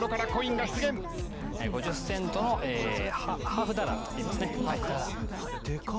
５０セントのハーフダラーといいますね。